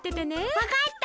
わかった。